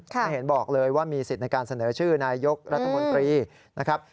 ไม่เห็นบอกเลยว่ามีสิทธิ์ในการเสนอชื่อนายกรัฐมนตรีนะครับ